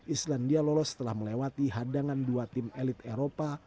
islandia lolos setelah melewati hadangan dua tim elit eropa